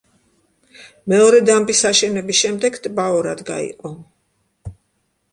მეორე დამბის აშენების შემდეგ, ტბა ორად გაიყო.